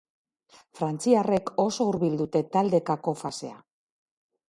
Frantziarrek oso hurbil dute taldekako fasea.